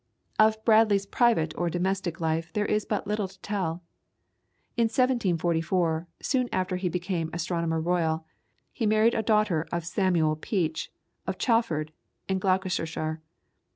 Of Bradley's private or domestic life there is but little to tell. In 1744, soon after he became Astronomer Royal, he married a daughter of Samuel Peach, of Chalford, in Gloucestershire.